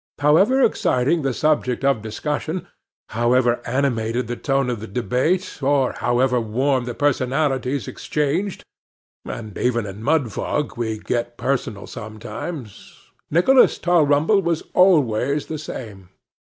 However exciting the subject of discussion, however animated the tone of the debate, or however warm the personalities exchanged, (and even in Mudfog we get personal sometimes,) Nicholas Tulrumble was always the same.